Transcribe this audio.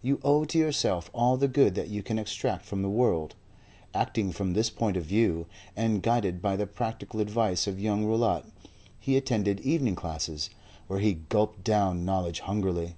You owe to yourself all the good that you can extract from the world. Acting from this point of view, and guided by the practical advice of young Rowlatt, he attended evening classes, where he gulped down knowledge hungrily.